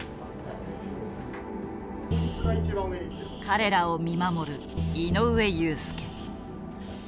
彼らを見守る井上雄介。